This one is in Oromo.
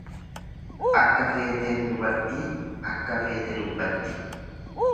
Akka feeteen dubartii akka feete dubbatti.